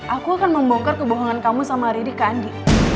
aku akan membongkar kebohongan kamu sama rizika andi